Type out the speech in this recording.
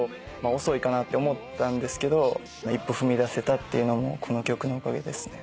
遅いかなって思ったんですけど一歩踏み出せたっていうのもこの曲のおかげですね。